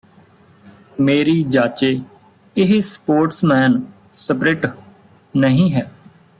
ਮੇਰੀ ਜਾਚੇ ਇਹ sportsman spirit ਨਹੀਂ ਹੈ